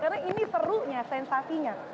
karena ini serunya sensasinya